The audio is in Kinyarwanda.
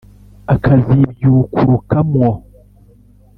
Akazibyukuruka mwo,